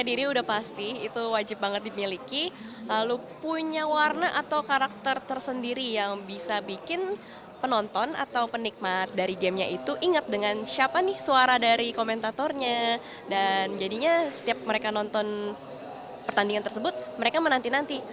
dan jadinya setiap mereka nonton pertandingan tersebut mereka menanti nanti